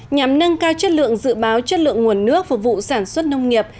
nhằm nâng cao chất lượng dự báo chất lượng nguồn nước phục vụ sản xuất nông nghiệp